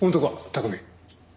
拓海。